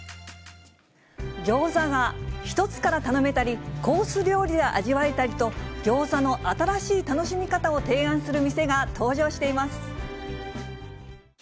ギョーザが１つから頼めたり、コース料理で味わえたりと、ギョーザの新しい楽しみ方を提案する店が登場しています。